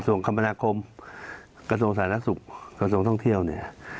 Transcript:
ส่วนคำบรรณาคมกระทรวงศาลนักศึกษ์กระทรวงท่องเที่ยวเนี้ย